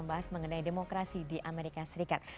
membahas mengenai demokrasi di amerika serikat